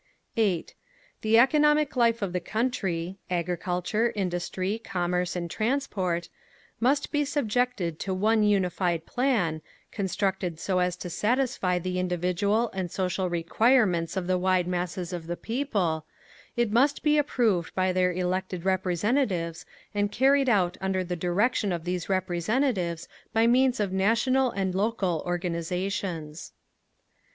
8. The economic life of the country—agriculture, industry, commerce and transport—must be subjected to one unified plan, constructed so as to satisfy the individual and social requirements of the wide masses of the people; it must be approved by their elected representatives, and carried out under the direction of these representatives by means of national and local organisations.